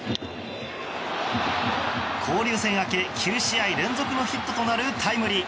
交流戦明け、９試合連続のヒットとなるタイムリー。